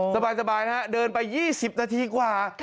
สบายนะฮะเดินไป๒๐นาทีกว่า